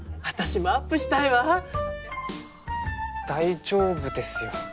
あっ大丈夫ですよ。